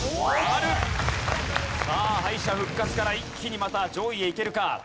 さあ敗者復活から一気にまた上位へいけるか？